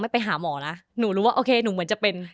ไปหาหมอนะหนูรู้ว่าโอเคหนูเหมือนจะเป็น